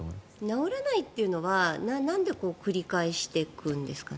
治らないというのはなんで繰り返していくんですかね。